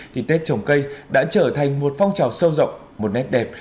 thì tết trồng cây đã trở thành một phong trào sâu rộng một nét đẹp